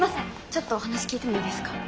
ちょっとお話聞いてもいいですか？